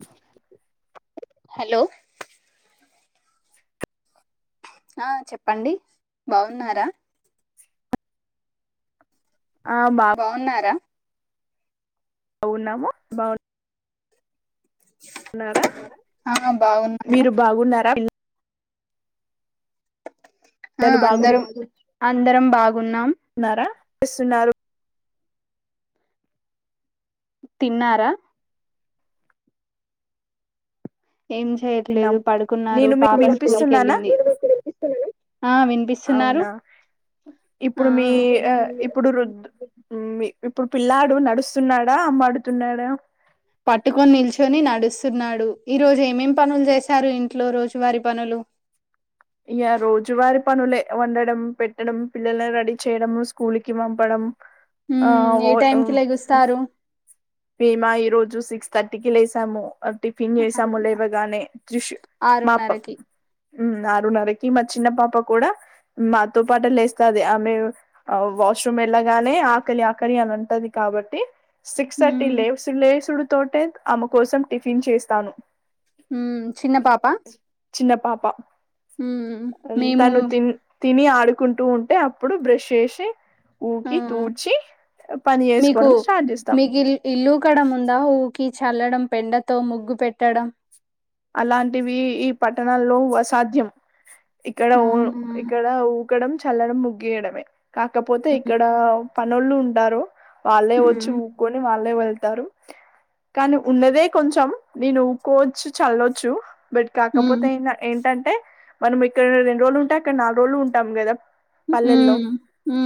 స హలో ఆ చెప్పండి బాఉన్నారా. ఆ బావున్నారా బావున్నాము బావ్ న్నారా ఆ బాగున్నా మీరు బావున్నారా. ఆ పిల్లలు అందరుం అందరం బాగున్నాం. న్నారా స్స్ న్నారు. తిన్నారా ఏం విన్నాం చేయట్లేదు పడుకున్నారు నేను మీకు పాప స్కూల్కి వినిపిస్తున్నానా ఎళ్ళింది, ఆ వినిపిస్సున్నారు. అవునా ఇప్పుడు మీ ఆఆ ఇప్పుడు రుద్ ఇప్పుడు పిల్లాడు నడుస్సున్నాడా అంబాడుతున్నాడా పట్టుకొని నిల్చొని నడుస్స్ తున్నాడు ఈ రోజు ఏమేం పనులు చేశారు ఇంట్లో రోజువారి పనులు ఇయ రోజువారి పనులే వండడం, పెట్టడం పిల్లలని రెడీ చేయడం స్కూల్కి పంపడం. ఆ ఊమ్ ఏ టైం కి లెగుస్తారు. మేమా ఈ రోజు సిక్స్ థర్టీకి లేసాము. అటిఫిన్ చేసాము ఆరున్నర లేవగానే త్రిష్ మాప్ ఆరున్నరకి ఉ నారున్నరకి మా చిన్న పాప కూడా, మాతో పాటె లేస్తది ఆమె వాష్రూమ్ వెళ్ళగానే ఆకలి ఆకలి అని అంటది కాబట్టి ఉమ్ స్సటి లేసుడు లేసుడు తోటే ఆమ కోసం టిఫిన్ చేస్తాను. ఊమ్ చిన్న పాపా తన్ తను తిన్ తిని ఆ పడుకుంటూ ఉంటే అప్పుడు బ్రష్ ఏషి ఆ ఊకి తూడ్చి పని మీకు ఎసుకోవడం స్టార్ట్ చేస్తాం. మీకు ఇల్ ఇల్లు కడం ఉందా ఊకి చల్లడం పెండతో ముగ్గు పెట్టడం. అలాంటివి ఈ పట్టణంలో అసాధ్యం. ఇక్కడవు అవునా ఇక్కడ వు ఊకడం, చల్లడం, ముగ్గు ఏయడమే. కాకపోతే ఇక్కడా పనోళ్ళు ఉంటారు. వాళ్ళే వచ్చి ఉమ్ ఊక్కొని వాళ్ళే వెళ్ తారు. కాని ఉన్నదే కొంచం నేను ఉకోచ్చు ఛల్లొచ్చు. బట్ కాకపోతే ఉమ్ ఏంద ఏంటంట్ అంటే, మనం ఇక్కడ రెండు రోజులు ఉంటే, అక్కడ నాలుగు రోజులు ఉంటాం గదా. ఊ ఊ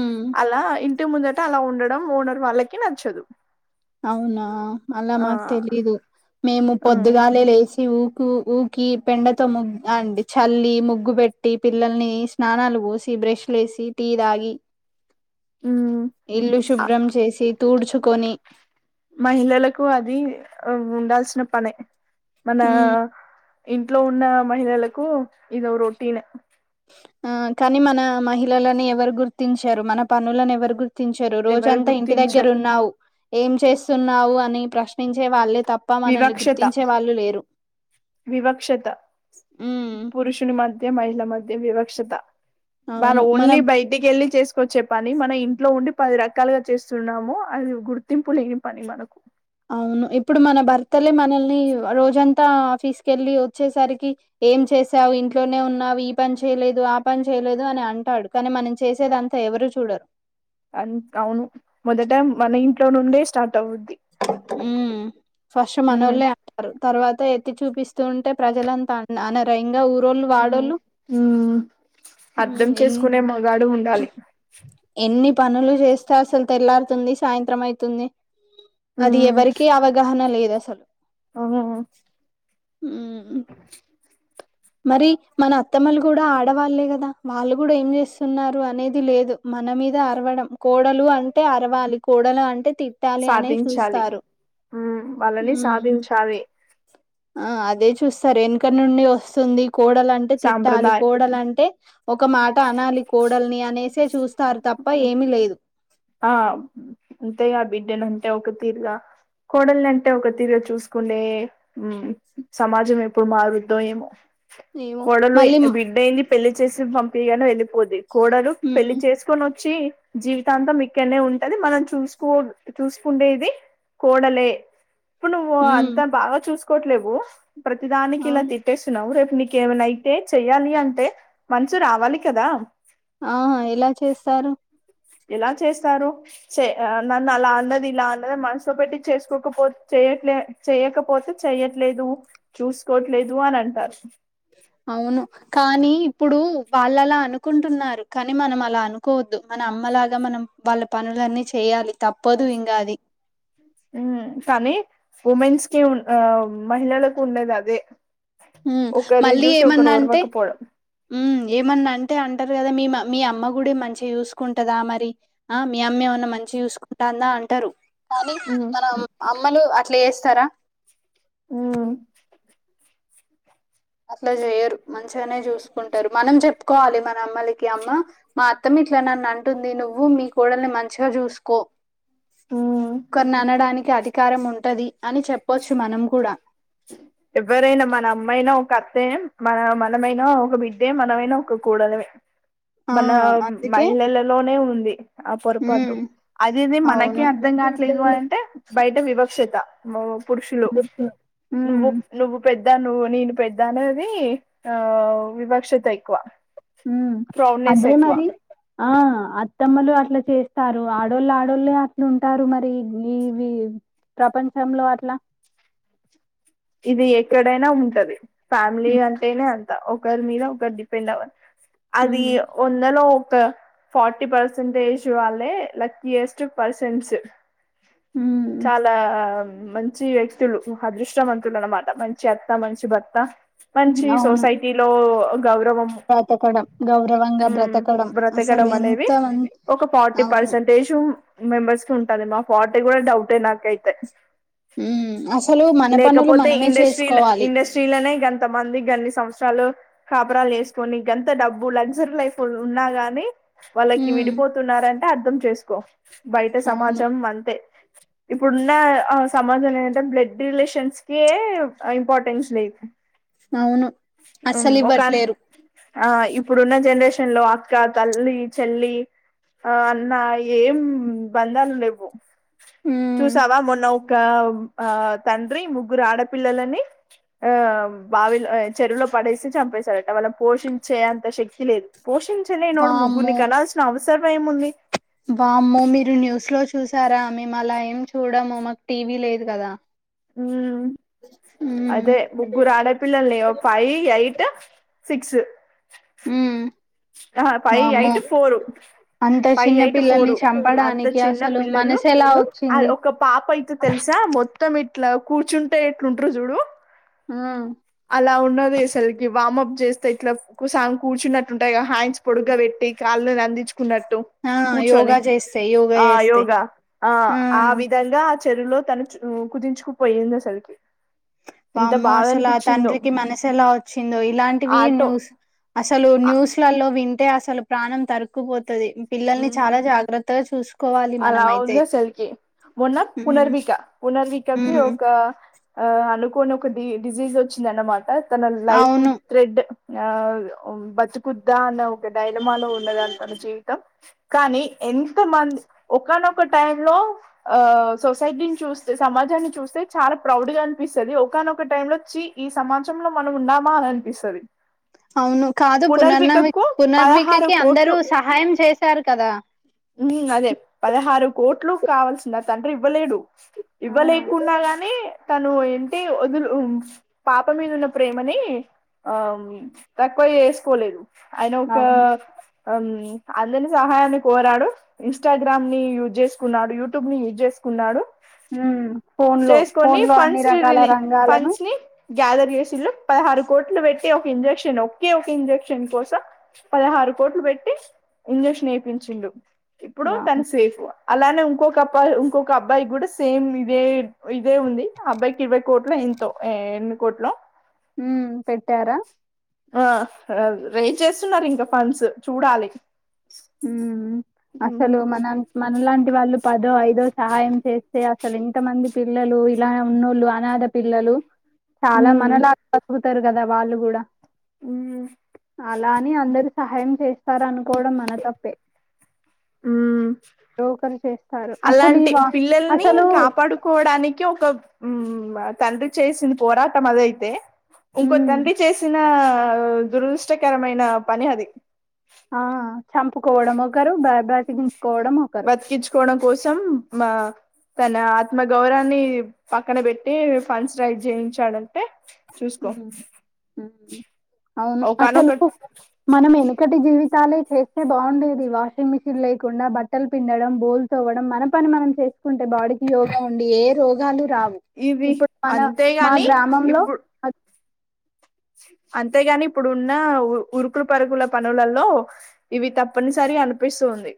టి ముందటా అలా ఉండడం ఓనర్ వాళ్ళకి నచ్చదు. అవునా, అలా ఆ మాక్ తెలీదు. మేము ఆ పొద్దుగాలే లేసి ఊక్ కు ఊకీ, పెండతో ముగ్ అండి చల్లీ, ముగ్గు పెట్టీ, పిల్లల్ని స్నానాలు పోసీ, బ్రష్ల ఏసి, టీ తాగీ. ఉమ్ ఇల్లు శుభ్రం చేసి, తూడుచు కొనీ మహిళలకు అది ఉండాల్సిన పనే. మనా ఉమ్ ఇంట్లో ఉన్నా మహిళలకు ఇదో రొటీన. ఆ కానీ మనా మహిళని ఎవరు గుర్తించరు. మన పనులను ఎవరు గుర్ ర్తించరు, ఎవరు రోజంతా ఇంటి దగ్గర గుర్తించరు ఉన్నావు ఏం చేస్తున్నావు అని ప్రశ్నించే వాళ్ళే తప్ప మనల్ని వివక్షత. గుర్తించే వాళ్ళు లేరు వివక్షత. ఉమ్ పురుషుని మధ్య మహిళ మధ్ ది వివక్షత. వాల్ అవును మన ఓన్లీ బయటికెళ్ళి చేస్ వచ్చే పని మనం ఇంట్లో ఉండి పది రకాలుగా చేస్తున్నాము. అది గుర్తింపు లేని పని మనకు. అవును ఇప్పుడు మన భర్తలే మనల్ని, రోజంతా ఆఫీస్కి వెళ్ళి వచ్చేసరికి, ఏం చేసావు ఇంట్లోనే ఉన్నావు, ఈ పని చేయలేదు, ఆ పని చేయలేదు అని అంటాడు. కానీ మనం చేసేదంతా ఎవరు చూడరు. అన్ అవును మొదటా మన ఇంట్లో నుండే స్టార్ట్ అవుద్ది. ఊ ఫస్ట్ ఉమ్ మనోలే అంటారు. తర్వాత ఎత్తి చూపిస్తూ ఉంటే. ప్రజలంతా అనరా ఇంగా ఊర్ ఊ మ్మ్ అర్ధం ఎన్ చేసుకునే మగాడు ఉండాలి. ఎన్నీ పనులు చేస్తే అసల్ తెల్లారుతుంది. సాయంత్రం అయితుంది. అది ఎవరికిీ అవగాహన లేద్ అసల్ సలు ఆ మ్మ్ అ మరి మన అత్తమ్మలు కూడా ఆడవాళ్ళే కదా వాళ్ళు కూడా ఏం చేస్తున్నారు అనేది లేదు మన మీద అరవడం కోడలు అంటే అరవాలి కోడల అంటే తిట్టాలి అనే సాధించాలి చూస్తారు ఆ వాళ్ళని మ్మ్ సాధించాలి ఆ అదే చూస్తారు వెనక నుండి వస్ స్తుంది కోడలంటే తిట్టాలి సాంప్రదాయం కోడలుంటే ఒక మాట అనాలి కోడలిని అనేసే చూస్తారు తప్ప ఏమి లేదు ఆ అంతేయా బిడ్డన అంటే ఒక తీరుగా కోడల్నింటే ఒక తీరుగ చూసుకునేే సమాజం ఎప్పుడు మారుద్దో ఏమో ఏమో కోడలు మళ్ళీ బిడ్డయింది పెళ్లి చేసి పం గను వెళ్ళిపోద్ది కూడలు మ్మ్ పెళ్లి చేసుకొని వచ్ చి జీవితాంత మెక్ ఎక్కనే ఉంటది మనం చూసుకో చూసుకుండేది కోడలే ఇప్పుడు నువ్వు మ్మ్ అంతా బాగా చూసు కొట్లేవు ప్రతి దాకి ఇలా అవును తిట్టేస్తున్నావ్ రేపు నీకేమనాయితే చెయ్యాలి అంటే మనసు రావాలి కదా ఆ ఎలా చేస్తారు ఎలా చేస్తారు చె నన్ను అలా అన్నది ఇలా అన్నది మనసులో పెట్టి చేసుకోకపో చేయట్లే చేయకపోతే చెయ్యట్లేదు చూసుకోవట్లేదు అని అంటారు అవును కానీ ఇప్పుడు వాళ్ళ అలా అనుకుంటున్నారు కానీ మనం అలా అనుకోవద్దు మన అమ్మలాగా మనం వాళ్ళ పనులన్నీ చేయాలి తప్పదు ఇంకా అది కానీ ఉమెన్స్ కి ఉ ఆ మహిళలకు ఉండేది అదే ఒకరిని మళ్ళీ చూసి ఒకరు ఏమన్నా అంటే ఓర్వకపోవడం ఏమన్నా అంటే అంటే అంటారు కదా మీ మీ అమ్మ కూడా మంచి చూసుకుంటందా మరి ఆ మీ అమ్మ ఏమన్న మంచి చూసుకుంటాందా అంటారు కానీ ఉమ్ మన అమ్మలు అట్లా చేస్ సారా ఆ అట్లా చేయరు మంచిగానే చూసుకుంటారు మనం చెప్ కోవాలి మన అమ్మలకి అమ్మ మా అత్తం ఇట్లా నన్ను అంటుంది నువ్వు మీ కోడల్ని మంచిగా చూసుకో ఉమ్ కర్ననడానికి అధికారం ఉంటది అని చెప్పొచ్చు మనం కూడా ఎవరైనా మన అమ్మాయినా ఒక అత్త మన మనమైనా ఒక బిడ్డే మనమైనా ఒక కూడలమే ఆ మన అందుకే మహిళలలోనే ఉంది ఆ పొరపాటు ఉమ్ అది ఇది మనకే అవును అర్థం కావట్లేదు అంటే బయట వివక్షత పురుషులు నువ్వు ఉమ్ ఒక పెద్దా నువ్వు నేను పెద్దా అనేది ఆ వివక్షత ఎక్కువ ఊ ప్రౌడ్నెస్ అదే ఎక్కువ మరి ఆ అత్తమ్మలు అట్లా చేస్తారు. ఆడోళ్ళు ఆడోళ్ళే అట్లు ఉంటారు. మరి ఈవి ప్రపంచంలో అట్లా ఇది ఎక్కడైనా ఉంటది. ఫ్యామిలీ ఉమ్ అంతేనా అంత్ ఒకరి మీద ఒకరు డిపెండ్ అవ అది ఒంట్లో ఫార్టీ పర్సెంటేజ్ వాళ్ళే లక్కీయెస్ట్ పర్సన్స్ ఉమ్ చాలా మంచి వ్యక్తులు అదృష్టవంత తులు అన్నమాట మంచి అత్త మంచి భర్త్త ఉమ్. మంచి అవును సొసైటీ లో గౌరవం బ్రతకడం గౌరవంగా ఉమ్ బ్రతకడం అసలు బ్రతకడం అనేవి ఎంత మం ఒక ఫార్టీ అవును పర్సెంటేజ్ మెంబర్స్ కి ఉం అద మా ఫార్టీ కూడా డౌట్ ఏ నాకై తే ఉమ్ అసలు వినపన కపోతే ఇండస్ట్రీలో ఇండస్ట్రీ లోనే గంత మంది గన్ని సంస్ వష్ట్రాలు కాపరాలు చేసుకొని గంత డబ్బు లగ్జరీ లైఫ్ ఉన్నా గాని వాళ్ళకి ఉమ్ విడిపోతున్నారంటే అర్థం చేసుకో కో బయట అవును సమాజం అంతే ఇప్పుడున్న సమాజంలో ఏంటంటే బ్లడ్ రిలేషన్స్ కే ఇంపార్టెన్స్ లే అవును అస్సలు ఇవ్వట్లేరు ఆ ఇప్పుడున్న జనరేషన్ లో అక్క, తల్లి, చెల్లి ఆ అన్న ఏం బంధాలు లేవు. ఉమ్ చూసావా మొన్న ఒక ఆ తండ్రి ముగ్గురు ఆడపిల్లలని ఆ బావిలో, చెరువులో పడేసి చంపేశారట. వాళ్ళను పోషించే అంత శక్తి లేదు. పోషించ లేనోడు ముగ్గుర్ని కనల్సిన అవస సర్మైముంది బా మ్మో మీరు న్యూస్ లో చూ చూసారా మేము అలా ఏం చూడము మాకు టీవీ లేదు కదా ఉమ్ ఉమ్ అదే ముగ్గురు ఆడపిల్లల ని ఫైవ్ ఎయిట్ సిక్స్ ఉమ్ ఆ ఫై వామ్మో అయిట్ ఫోర్ అంత ఫైవ్ చిన్న ఎయిట్ ఫోర్ పిల్లల్ని అంత చంపడానికి చిన్న అసలు పిల్లలు మనసు ఎలా అ వచ్చింది ఒక పాప అయితే తెలుసా మొత్తం ఇట్లా కూర్చుంటే ఎట్లుంటరు చూడు ఆ ఇలా ఉన్నది అసలుకి వామప్ చేస్తే ఇట్లా కుస కూర్చున్నట్టు ఉంటాయి గ హ్యాండ్స్ పొడుగ్గా పెట్టి కాలు అందించు కున్నట్టు ఆ కూర్చొని యోగా చేస్తే యోగా ఆ చేస్తే యోగా ఆ ఆ విధంగా చెరువులో తను కుదించుకుపోయింది అసలుకి. ఎంత వామ్మో బాధ అసలద్ అనిపించిందో తండ్రికి మనసు ఎలా వచ్చిందో ఇలాంటివి ఆటో న్యూస్ అన్. అసలు న్యూస్ లలో విన్ అంటే అసలు ప్రాణం తరుక్కుపోత్ తది పిల్లల్ని చాలా జాగ్రత్తగా చు అలా ఉంది అసలికి మొన్న హ్మ్ పునర్విక పునర్వికకి హ్మ్ ఒక ఆహ్ అనుకో కొన్ని ఒక డి డిజీజ్ వచ్చింద అన్నమాట. తన లైఫ్ అవును థ్రెడ్. ఆహ్ బతుకుద్దా అన్న ఒక డైలమాలో ఉన్నదని తన జీవితం కానీ ఎంత మంది. ఒకానొక టైం లో ఆహ్ సొసైటీని చూస్తే సమాజాన్ని చూస్తే చాలా ప్రౌడ్ గా అనిపిస్తది. ఒకానొక టైం లో చీ ఈ సమాజంలో మనం ఉన్నామా అని అనిపిస్తది. అవును కాదు పుననవి పునర్వికకు పదహారు పునర్వికకి అందరూ సహాయం చేశారు కదా. ఉమ్ అదే పదహారు. కోట్లు కావల్సిన తండ్రి ఇవ్వలేడు. ఆ ఇవ్వలేకున్నా గానీ తను. అంటే వదులు పాప మీద ఉన్న ప్రేమని ఆహ్ తక్కువ చేసుకోలేదు. అయన ఒక అవును ఉమ్ అందరని సహాయాన్ని. కోరాడు ఇన్స్టాగ్రామ్ ని యూజ్ చేసుకున్నాడు. యూట్యూబ్ ని యూజ్ చేసుకున్నాడు. హుం ఫోన్ లో చేసుకొని ఫోన్ లో అన్ని ఫండ్స్ రకాల రిలీ రంగాలను. ఫండ్స్ ని గ్యాదర్ చేసిండ్రు పదహారు కోట్లు పెట్టి ఒక ఇంజెక్షన్ ఒకే ఒక ఇంజక్షన్ కోసం పదహారు కోట్లు పెట్టి ఇంజెక్షన్ ఎపించ్ ఇచ్చిండ్రు. ఇప్పుడు తను సేఫ్. అలానే ఇంకొక అప్పా ఇంకొక అబ్బాయి కూడా సేమ్ ఇదే ఇదే ఉంది. ఆ అబ్బాయికి ఇరవై కోట్ల ఎంతో ఎనిమిది కోట్లో. ఉమ్ పెట్టారా. ఆహ్ రైజ్ చేస్తున్నారు ఇంకా ఫన్డ్స్ చూడాలి. ఉమ్ మ్మ్ అసలు మనం మనలాంటి వాళ్ళు. పదో ఐదొ సహాయం. చేస్తే అసలు ఎంత మంది. పిల్లలు ఇలా ఉన్నోళ్ళు అనాథ పిల్లలు. చాలా మ్మ్ మనలా ప్రకృ ఒకరు కదా వాళ్ళు కూడా. ఆహ్ అలా అని అందరు సహాయం చేస్తే సార్ అనుకోవడం మనతో ఉ ఎవరో ఒకరు చేస్తారు అసలు ఈ అలాంటి వా పిల్లల్ని అసలు కాపాడుకోవడానికి ఒక తండ్రి చేసింది పోరాటం అదైతే ఇంకో ఉమ్ తండ్రి చేసిన దురదృష్టకరమైన పని అది ఆ చంపుకోవడం ఒకరు బ బతికించుకోవడం ఒకరు సం మా తన ఆత్మగౌరావాన్ని పక్కన పెట్టి ఫన్స్ రై జయించాడంటే హ అవును అసలు ఒకనొక మనము ఇక్కటి జీవితాలే చేస్తే బాగుండేది వాషింగ్ మిషన్ లేకుండా బట్టలు పిండడం బోల్ తోవ్వడం మన పని మనం చేసుకుంటే బాడీకి యోగా ఉండి ఏ రోగాలు రావు ఇది ఇప్పుడు మన మా అంతేగాని గ్రామంలో ఇప్పుడు అంతేగాని ఇప్పుడు ఉన్న ఉరుకులు పరుగుల పనులలో ఇవి తప్పనిసరి అనిపిస్తుంది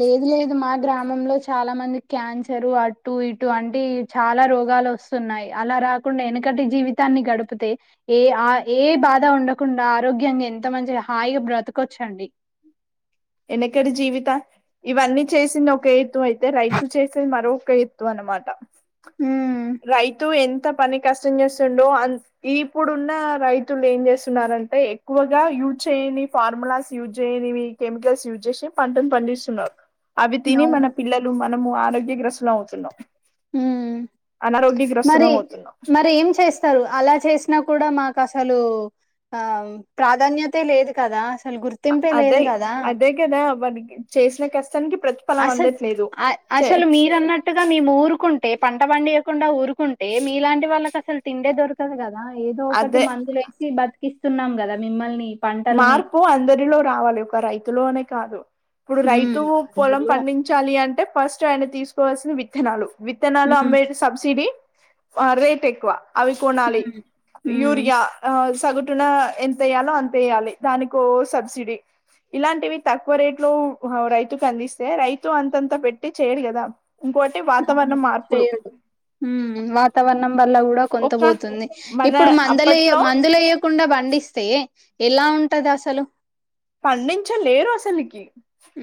లేదు లేదు మా గ్రామ గమంలో చాలా మంది క్యాన్సరు అటు ఇటు అంటి చాలా రోగాలు వస్తున్నాయి అలా రాకుండా వెనకటి జీవితాన్ని గడిపితే ఏ ఆ ఏ బాధ ఉండకుండా ఆరోగ్యంగా ఎంత మంచి హాయిగా బ్రతకొచ్చండి వెనకడి జీవిత ఇవన్నీ చేసింది ఒక ఎత్తు అయితే రైతు చేసేంది మరక ఎత్తు అనమాట ఉమ్ రైతు ఎంత ఎంత పని కష్టం చేస్తుండో అ ఇప్పుడున్న రైతులు ఏం చేస్తున్నంటే ఎక్కువగా యూజ్ చేయని ఫార్ములాస్ యూజ్ చేయనివి కెమికల్స్ యూజ్ చేసి పంటను పండిస్తున్నారు అవి తిని మన అవును పిల్లలు మనము తడ్డి గ్రస్ లో ఉంటున్నామ్ ఉ మరి అవుతున్నాం మరి ఏం చేస్తారు అలా చేసినా కూడా మాకు అసలు ఆ ప్రాధాన్యత లేదు కదా అసలు గుర్తింపే లేదు అదే కదా అదే కదా వాారికి చేసిన కష్టానికి ప్రతి అసలు అసలు మీరు అన్నట్టుగా మీ ఊరుకు ఉంటే పంట పండియకుండా ఊరు ఉంటే మీలాంటి వాళ్ళకి అసలు తిండే దొరుకు ఉంటాది గ అ ఏదో ఒకటి అదే మందులు వేసి బ త్ ఇస్తున్నాం కదా మిమ్మల్ని పంటల్ని మార్పు అందరిలో రావాలి ఒక రైతులో అనే కాదు ఇప్పుడు ఉమ్, రైతు పొలం అందరిలో పండించాలి అంటే ఫస్ట్ ఆయన తీసుకోవాల్సిన విత్తనాలు విత్తనాలు ఉమ్, అంబే ఆ రేట్ ఎక్కువ అవి కొనాలి ఉమ్, ఉమ్, యూరియా తగుటున ఎంత అయ్యాలో అంత వయాలి దానికో సబ్సిడీ ఇలాంటివి తక్కువ రేట్ లో రైతుకు అందిస్తే రైతు అంతంతా పెట్టి చేయడు కదా ఇంకోటి వాతావరణ అవును మార్పులు చె్యడు వాతావరణం వల్ల కూడా కొంత ఒక పోతుంది మన ఇప్పుడు మందులుయ అప్పట్లో మందులు వయ్యకుండా పండిస్తే ఎలా ఉంటది అసలు పండించలేరు అసలుకి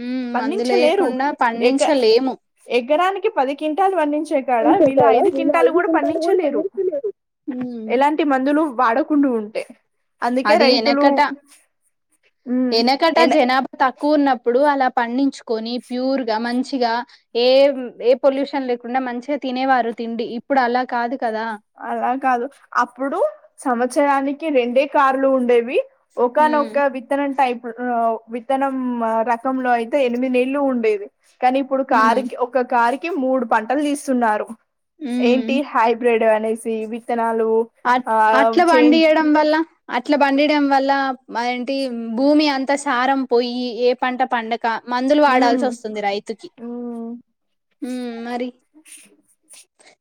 ఉమ్ పండించలేరు మందులేయకుండా ఎక పండించలేము ఎగరానికి పది క్వింటాలు పండించే కాడ వీళ్ళ ఐదు క్వింటాలు కూడా పండించలేరు ఎలాంటి మందులు వాడకుండా ఉ అ అందుకే అది రైతులు వెనకట ఎన జనాభా తక్కువ ఉన్నప్పుడు అప్పుడు అలా పండించుకొని ప్యూర్ గా మంచిగా ఏ ఏ పొల్యూషన్ లేకుండ మంచిగా తినే వారు తిండి ఇప్పుడు అలా కాదు గా అలా కాదు అప్పుడు సంవత్సరానికి రెండే కార్లు ఉండేవి ఒకాన ఉమ్ ఒకా విత్తనం టైప్ విత్తనం రకంలో అయితే ఎనిమిది నెల్లు ఉండేవి కానీ ఇప్పుడు కార్ ఉమ్ ఒక కార్ మూడు పంటలు తీస్తున్నారు ఉమ్ ఏంటి హైబ్రిడ్ సి విత్త అట్ అట్ల పండియడం వల్ల అట్లా పండిడం వల్ల మదేంటి భూమి అంతా సారం పోయి ఏ పంట పండగ మందులు వాడాల్సి ఉమ్ వస్తుంది రైతుకి ఉమ్ హ్మ్మ్ మరి